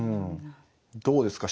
どうですか。